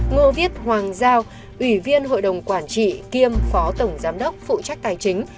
ngô viết hoàng giao ủy viên hội đồng quản trị kiêm phó tổng giám đốc phụ trách tài chính